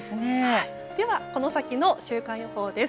ではこの先の週間予報です。